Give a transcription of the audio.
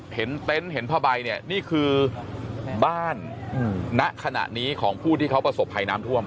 เต็นต์เห็นผ้าใบเนี่ยนี่คือบ้านณขณะนี้ของผู้ที่เขาประสบภัยน้ำท่วม